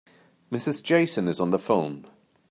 Mrs. Jason is on the phone.